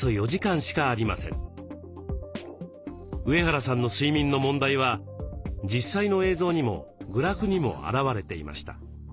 上原さんの睡眠の問題は実際の映像にもグラフにも表れていました。